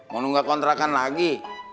mau nunggak kontrakan lagi